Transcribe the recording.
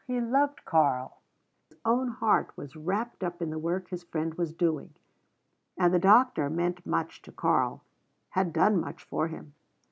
He loved Karl; his own heart was wrapped up in the work his friend was doing. And the doctor meant much to Karl; had done much for him.